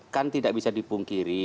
kan tidak bisa dipungkiri